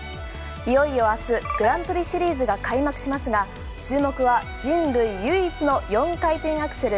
いよいよ明日グランプリシリーズが開幕しますが注目は人類唯一の４回転アクセル